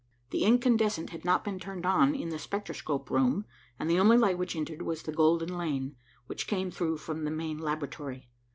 The incandescent had not been turned on in the spectroscope room, and the only light which entered was the golden lane, which came through from the main laboratory.